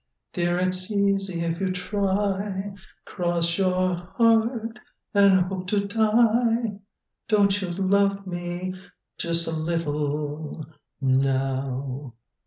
"Dear, it's easy if you try; Cross your heart and hope to die Don't you love me just a little now?"